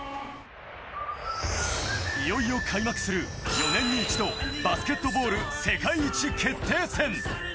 いよいよ開幕する、４年に一度、バスケットボール世界一決定戦。